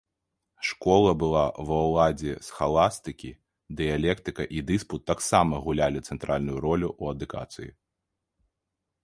Школа была ва ўладзе схаластыкі, дыялектыка і дыспут таксама гулялі цэнтральную ролю ў адукацыі.